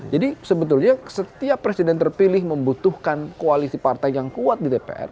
jadi sebetulnya setiap presiden terpilih membutuhkan koalisi partai yang kuat di dpr